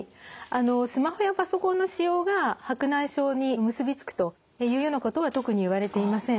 あのスマホやパソコンの使用が白内障に結び付くというようなことは特に言われていません。